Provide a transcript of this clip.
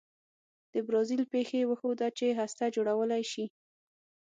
د برازیل پېښې وښوده چې هسته جوړولای شي.